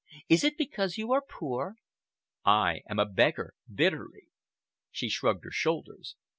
Is it because you are poor?" "I am a beggar,"—bitterly. She shrugged her shoulders.